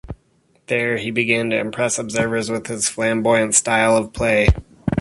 There, he began to impress observers with his flamboyant style of play.